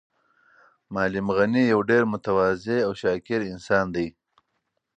معلم غني یو ډېر متواضع او شاکر انسان دی.